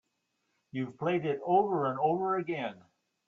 You've played it over and over again.